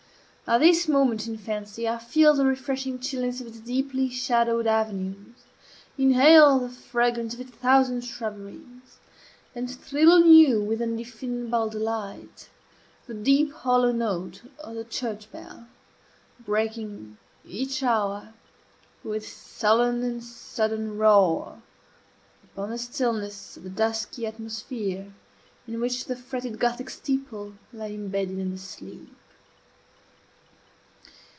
At this moment, in fancy, I feel the refreshing chilliness of its deeply shadowed avenues, inhale the fragrance of its thousand shrubberies, and thrill anew with undefinable delight at the deep hollow note of the church bell, breaking, each hour, with sullen and sudden roar, upon the stillness of the dusky atmosphere in which the fretted Gothic steeple lay imbedded and asleep.